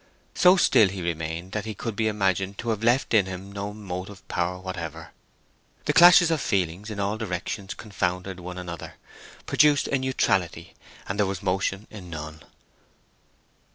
So still he remained that he could be imagined to have left in him no motive power whatever. The clashes of feeling in all directions confounded one another, produced a neutrality, and there was motion in none.